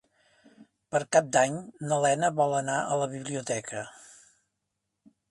Per Cap d'Any na Lena vol anar a la biblioteca.